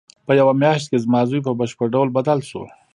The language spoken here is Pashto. په یوه میاشت کې زما زوی په بشپړ ډول بدل شو